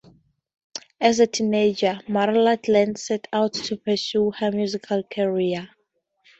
As a teenager, Marla Glen set out to pursue her musical career.